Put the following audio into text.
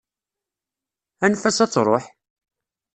Anef-as ad truḥ!